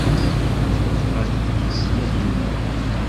Nebɣa-t i snat-nteɣ.